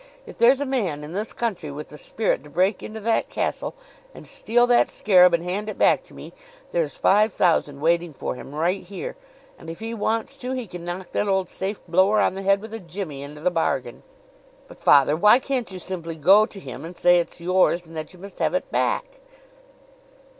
If there's a man in this country with the spirit to break into that castle and steal that scarab and hand it back to me, there's five thousand waiting for him right here; and if he wants to he can knock that old safe blower on the head with a jimmy into the bargain." "But, father, why can't you simply go to him and say it's yours and that you must have it back?"